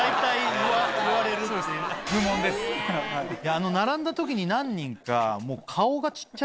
あの並んだ時に何人か。